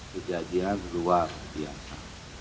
kejadian luar biasa